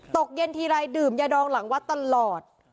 ตกเย็นทีไรดื่มยาดองหลังวัดตลอด